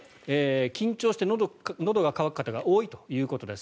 緊張してのどが渇く方が多いということです。